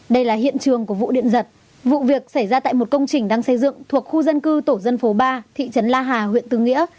đây là hiện trường của vụ điện giật vụ việc xảy ra tại một công trình đang xây dựng thuộc khu dân cư tổ dân phố ba thị trấn la hà huyện tư nghĩa